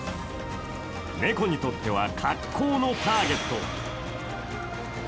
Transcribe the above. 猫にとっては格好のターゲット。